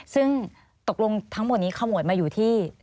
ซึ่งตกลงทั้งหมดนี้ขโมยมาอยู่ที่